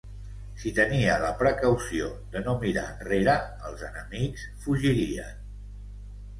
Si tenia la precaució de no mirar enrere, els enemics fugirien.